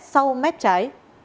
sau mép trái